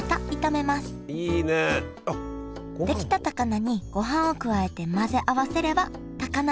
出来た高菜にごはんを加えて混ぜ合わせればたかな